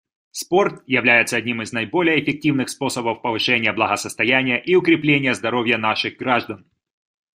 Спорт является одним из наиболее эффективных способов повышения благосостояния и укрепления здоровья наших граждан.